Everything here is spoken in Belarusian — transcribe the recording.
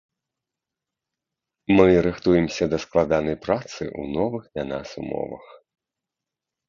Мы рыхтуемся да складанай працы ў новых для нас умовах.